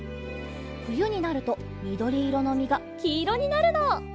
ふゆになるとみどりいろのみがきいろになるの！